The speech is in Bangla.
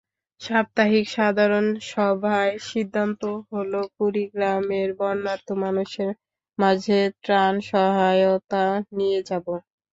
সাপ্তাহিক সাধারণ সভায় সিদ্ধান্ত হলো, কুড়িগ্রামে বন্যার্ত মানুষের মাঝে ত্রাণসহায়তা নিয়ে যাব।